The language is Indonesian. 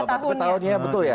tapi tahunnya betul ya